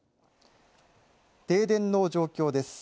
停電の状況です。